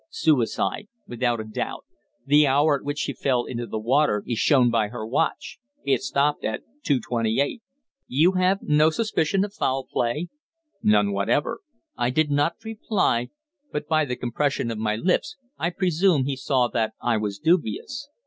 "Suicide. Without a doubt. The hour at which she fell into the water is shown by her watch. It stopped at 2.28." "You have no suspicion of foul play?" "None whatever." I did not reply; but by the compression of my lips I presume he saw that I was dubious.